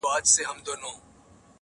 او د شرابو چینه هغه تصویرونه دي